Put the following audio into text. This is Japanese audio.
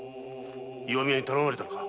石見屋に頼まれたのか？